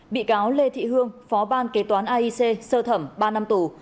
bị cáo lê thị hương phó ban kế toán aic sơ thẩm ba năm tù